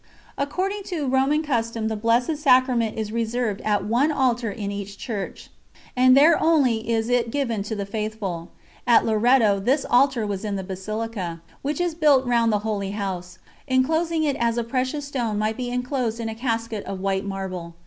According to Roman custom the Blessed Sacrament is reserved at one Altar in each Church, and there only is it given to the faithful. At Loreto this Altar was in the Basilica which is built round the Holy House, enclosing it as a precious stone might be enclosed in a casket of white marble.